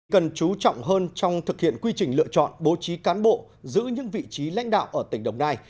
cần chú trọng hơn trong thực hiện quy trình lựa chọn bố trí cán bộ giữ những vị trí lãnh đạo ở tỉnh đồng nai